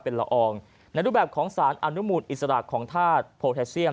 เป็นละอองในรูปแบบของสารอนุมูลอิสระของธาตุโพแทเซียม